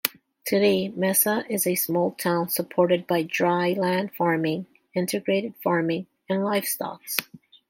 Today, Mesa is a small town supported by dryland farming, irrigated farming, and livestock.